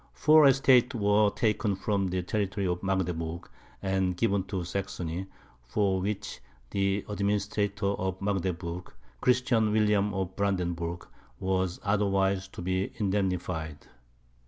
Four estates were taken from the territory of Magdeburg, and given to Saxony, for which the Administrator of Magdeburg, Christian William of Brandenburg, was otherwise to be indemnified.